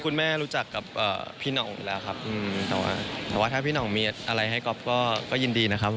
รู้จักกับพี่หน่องอยู่แล้วครับแต่ว่าถ้าพี่หน่องมีอะไรให้ก๊อฟก็ยินดีนะครับ